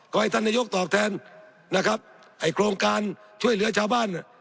ก็ให้ท่านนายกตอบแทนนะครับไอ้โครงการช่วยเหลือชาวบ้าน